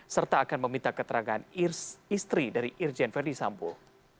serta akan meminta keterangan istri dari irjen ferdisambul